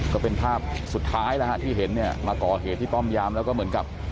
ก็เป็นภาพสุดท้ายแล้วฮะที่เห็นเนี่ยมาก่อเหตุที่ป้อมยามแล้วก็เหมือนกับ